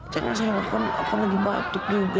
jangan sayang aku lagi batuk juga